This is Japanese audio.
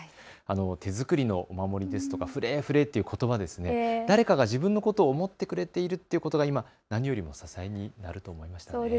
手作りのお守りですとかフレーフレーということば、誰かが自分のことを思ってくれているということが今何よりの支えになると思いました。